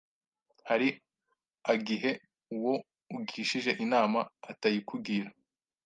hari agihe uwo ugishije inama atayikugira